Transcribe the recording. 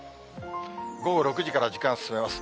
午後６時から時間進めます。